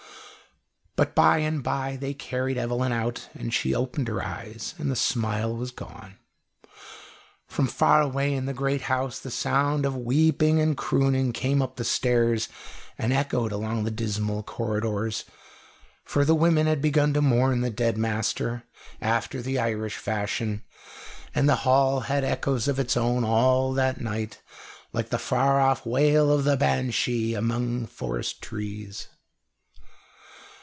But by and by they carried Evelyn out, and she opened her eyes and the smile was gone. From far away in the great house the sound of weeping and crooning came up the stairs and echoed along the dismal corridors, for the women had begun to mourn the dead master, after the Irish fashion, and the hall had echoes of its own all that night, like the far off wail of the banshee among forest trees.